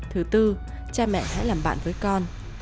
thứ tư cha mẹ hãy làm bạn với con